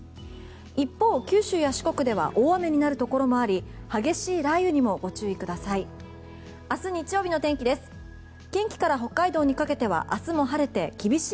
一方、九州や四国では大雨になるところもあり激しい雷雨にもご注意ください。